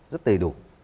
rất đầy đủ